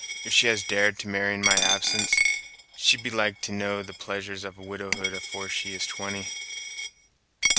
If she has dared to marry in my absence, she'd be like to know the pleasures of widowhood afore she is twenty!"